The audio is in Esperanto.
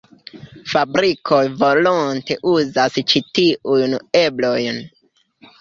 Fabrikoj volonte uzas ĉi tiujn eblojn.